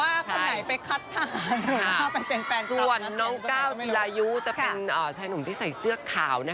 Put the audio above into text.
ค่ะส่วนน้องก้าวจีลายุจะเป็นชายหนุ่มที่ใส่เสื้อขาวนะคะส่วนน้องก้าวจีลายุจะเป็นชายหนุ่มที่ใส่เสื้อขาว